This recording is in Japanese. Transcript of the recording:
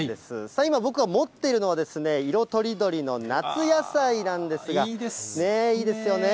さあ、今僕が持っているのは、色とりどりの夏野菜なんですが、いいですよね。